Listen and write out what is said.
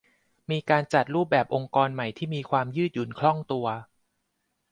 มีการจัดรูปแบบองค์กรใหม่ที่มีความยืดหยุ่นคล่องตัว